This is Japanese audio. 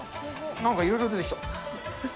なんか、いろいろ出てきた。